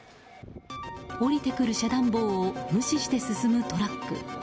下りてくる遮断棒を無視して進むトラック。